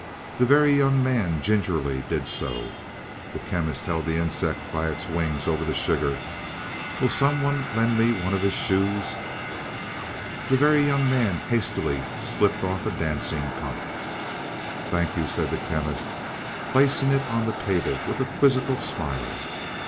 The Very Young Man gingerly did so. The Chemist held the insect by its wings over the sugar. "Will someone lend me one of his shoes?" The Very Young Man hastily slipped off a dancing pump. "Thank you," said the Chemist, placing it on the table with a quizzical smile.